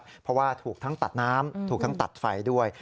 เพราะว่าถูกทั้งตัดน้ำถูกทั้งตัดไฟด้วย